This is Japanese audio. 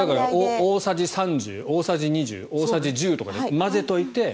大さじ３０、大さじ２０大さじ１０とかで混ぜておいて。